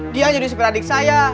dia nyuri sepeda adik saya